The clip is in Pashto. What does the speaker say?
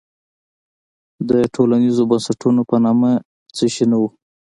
د ټولنیزو بنسټونو په نامه څه شی نه وو.